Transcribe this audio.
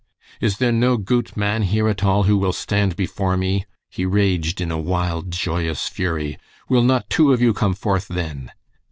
"Is there no goot man here at all who will stand before me?" he raged in a wild, joyous fury. "Will not two of you come forth, then?"